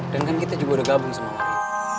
dan kan kita juga udah gabung sama wari